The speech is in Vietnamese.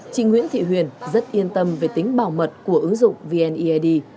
chị nguyễn thị huyền rất yên tâm về tính bảo mật của ứng dụng vneid